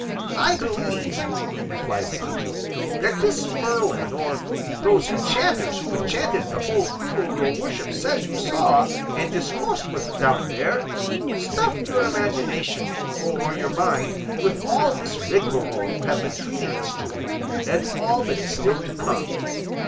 "I believe," replied Sancho, "that this Merlin, or those enchanters who enchanted the whole crew your worship says you saw and discoursed with down there, stuffed your imagination or your mind with all this rigmarole you have been treating us to, and all that is still to come."